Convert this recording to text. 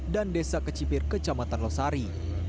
dan desa kecipir kecamatan losari